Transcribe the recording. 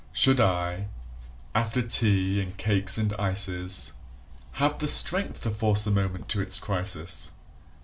Should I, after tea and cakes and ices, Have the strength to force the moment to its crisis?